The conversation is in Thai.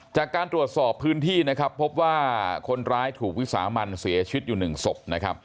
จากการตรวจสอบพื้นที่พบว่าคนร้ายถูกวิสามันเสียชิดอยู่หนึ่งศพ